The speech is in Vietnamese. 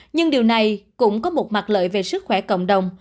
nhưng điều này cũng có một mặt lợi về sức khỏe cộng đồng